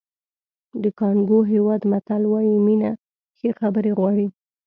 د کانګو هېواد متل وایي مینه ښې خبرې غواړي.